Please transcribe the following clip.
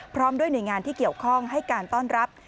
พร้อมด้วยหน่วยงานที่เกี่ยวข้องให้การต้อนรับ